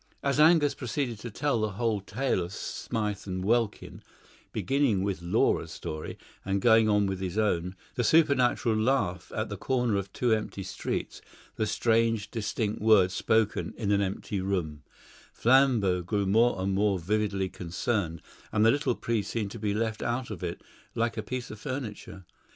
As Angus proceeded to tell the whole tale of Smythe and Welkin, beginning with Laura's story, and going on with his own, the supernatural laugh at the corner of two empty streets, the strange distinct words spoken in an empty room, Flambeau grew more and more vividly concerned, and the little priest seemed to be left out of it, like a piece of furniture.